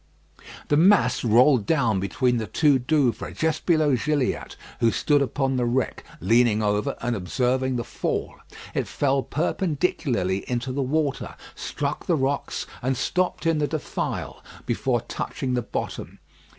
The mass rolled down between the two Douvres, just below Gilliatt, who stood upon the wreck, leaning over and observing the fall. It fell perpendicularly into the water, struck the rocks, and stopped in the defile before touching the bottom.